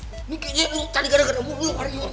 tari gara gara mulu